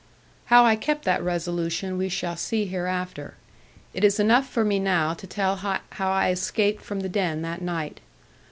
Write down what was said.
How I kept that resolution we shall see hereafter. It is enough for me now to tell how I escaped from the den that night.